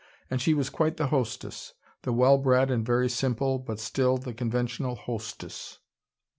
And she was quite the hostess: the well bred and very simple, but still the conventional hostess.